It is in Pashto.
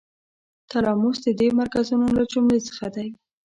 تلاموس د دې مرکزونو له جملو څخه دی.